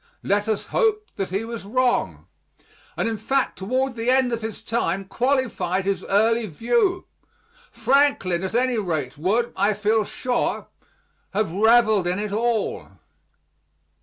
Let us hope that he was wrong, and in fact toward the end of his time qualified his early view. Franklin, at any rate, would, I feel sure, have reveled in it all.